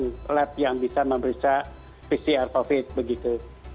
dan setelah itu kita mulai melihat lab yang bisa memeriksa pcr covid sembilan belas begitu